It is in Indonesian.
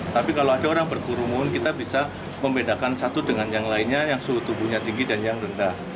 tapi kalau ada orang berkurungun kita bisa membedakan satu dengan yang lainnya yang suhu tubuhnya tinggi dan yang rendah